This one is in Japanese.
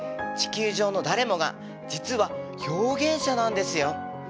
地球上の誰もが実は表現者なんですよ。